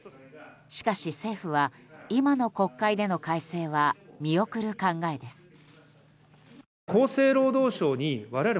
しかし政府は今の国会での改正は見送る考えです。